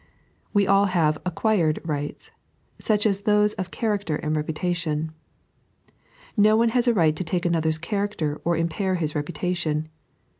We alt have acquired rights, such as those of character and of reputation. No one has a right to take another's character or impair his reputation.